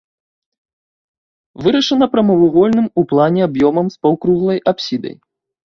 Вырашана прамавугольным у плане аб'ёмам з паўкруглай апсідай.